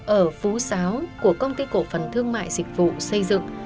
ở phú sáo của công ty cổ phần thương mại dịch vụ xây dựng